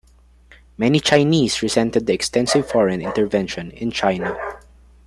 Many Chinese resented the extensive foreign intervention in China.